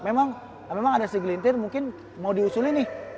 memang ada segelintir mungkin mau diusulin nih